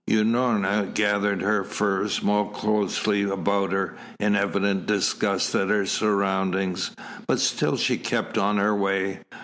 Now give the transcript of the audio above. Unorna gathered her furs more closely about her, in evident disgust at her surroundings, but still she kept on her way.